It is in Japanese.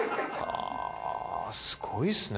すごいっすね。